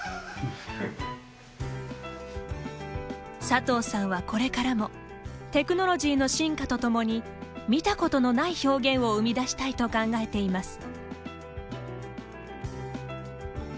佐藤さんは、これからもテクノロジーの進化とともに見たことのない表現を生み出したいと考えています。